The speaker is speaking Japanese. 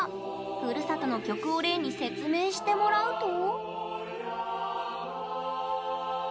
「ふるさと」の曲を例に説明してもらうと。